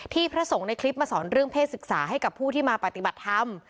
พระสงฆ์ในคลิปมาสอนเรื่องเพศศึกษาให้กับผู้ที่มาปฏิบัติธรรม